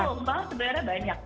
sepuluh dua belas sebenarnya banyak